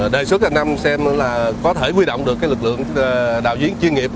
đề xuất anh em xem là có thể huy động được cái lực lượng đào diễn chuyên nghiệp